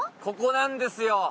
ここなんですよ。